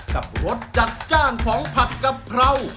รสจัดจ้านของผัดกะเพรา